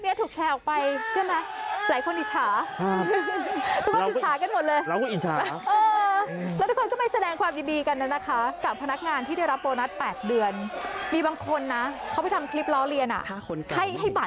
โอ้โหหลังคลิปนี้ถูกแชร์ออกไป